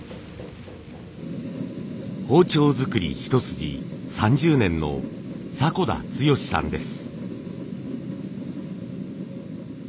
包丁作り一筋３０年の迫田剛さんです。